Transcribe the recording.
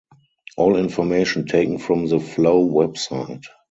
All information taken from the Flow website.